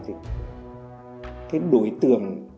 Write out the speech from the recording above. thì đối tượng